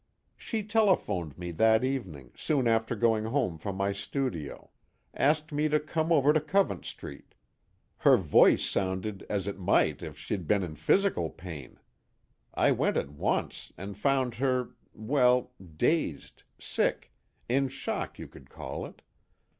"She telephoned me, that evening, soon after going home from my studio. Asked me to come over to Covent Street. Her voice sounded as it might if she'd been in physical pain. I went at once, and found her well, dazed, sick, in shock you could call it.